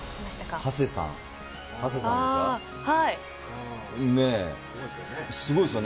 長谷さんですかね。